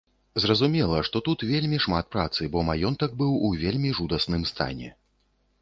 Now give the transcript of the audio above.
Зразумела, што тут вельмі шмат працы, бо маёнтак быў у вельмі жудасным стане.